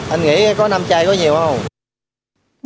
anh nghĩ có năm chai có nhiều không